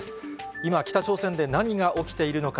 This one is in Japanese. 今、北朝鮮で何が起きているのか。